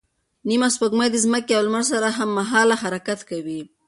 نیمه سپوږمۍ د ځمکې او لمر سره هممهاله حرکت کوي.